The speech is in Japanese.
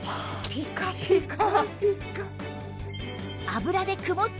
ピッカピカ！